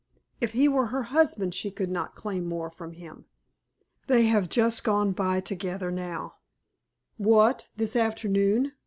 If he were her husband she could not claim more from him. They have just gone by together now." "What! this afternoon?"